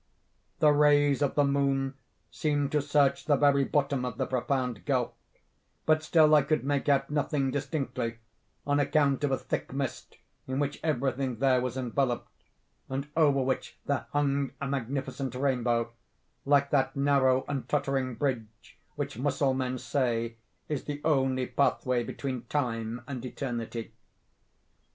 "The rays of the moon seemed to search the very bottom of the profound gulf; but still I could make out nothing distinctly, on account of a thick mist in which everything there was enveloped, and over which there hung a magnificent rainbow, like that narrow and tottering bridge which Mussulmen say is the only pathway between Time and Eternity.